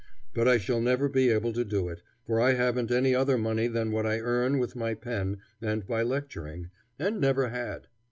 But I shall never be able to do it, for I haven't any other money than what I earn with my pen and by lecturing, and never had.